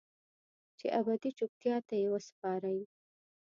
چې ابدي چوپتیا ته یې وسپارئ